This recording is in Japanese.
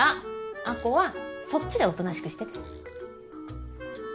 亜子はそっちでおとなしくしてて。